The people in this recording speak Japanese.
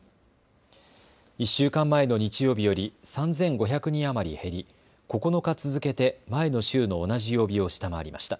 １週間前の日曜日より３５００人余り減り９日続けて前の週の同じ曜日を下回りました。